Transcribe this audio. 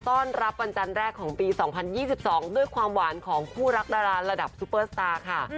ต้อนรับวันจันทร์แรกของปี๒๐๒๒ด้วยความหวานของคู่รักดาราระดับซุปเปอร์สตาร์ค่ะ